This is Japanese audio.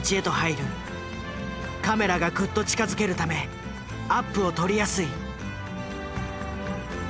カメラがぐっと近づけるためアップを撮りやすい。